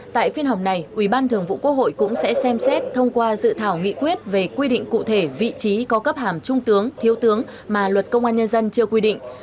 tại phiên họp này ủy ban thường vụ quốc hội cũng sẽ xem xét thông qua dự thảo nghị quyết về quy định cụ thể vị trí có cấp hàm trung tướng thiếu tướng mà luật công an nhân dân chưa quy định